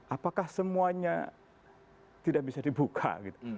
apakah semuanya tidak bisa dibuka gitu